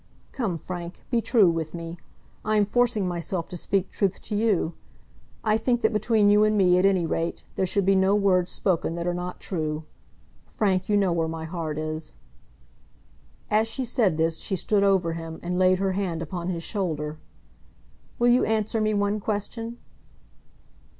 "Come, Frank, be true with me. I am forcing myself to speak truth to you. I think that between you and me, at any rate, there should be no words spoken that are not true. Frank, you know where my heart is." As she said this, she stood over him, and laid her hand upon his shoulder. "Will you answer me one question?"